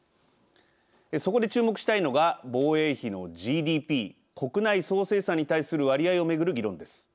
そこで注目したいのが防衛費のＧＤＰ＝国内総生産に対する割合をめぐる議論です。